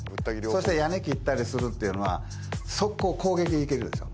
そして屋根切ったりするっていうのは速攻攻撃できるでしょ